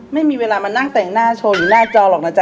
ไม่มีเวลามานั่งแต่งหน้าโชว์อยู่หน้าจอหรอกนะจ๊